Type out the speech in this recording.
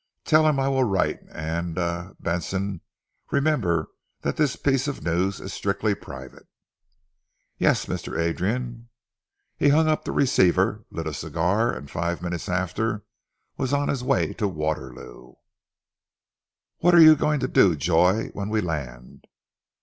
Tell him I will write, and er Benson remember that this piece of news is strictly private." "Yes, Mr. Adrian." He hung up the receiver, lit a cigar, and five minutes after was on his way to Waterloo. "What are you going to do, Joy, when we land?"